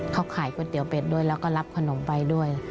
เขาขายก๋วยเตี๋ยวเป็ดด้วยแล้วก็รับขนมไปด้วย